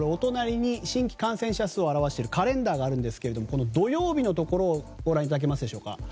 新規感染者数を表したカレンダーがあるんですが土曜日のところをご覧いただけますでしょうか。